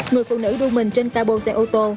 người phụ nữ đu mình trên cabo xe ô tô